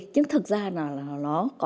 nhưng thực ra là